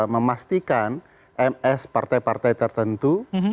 memastikan ms partai partai tertentu